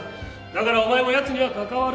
だからお前もやつには関わるな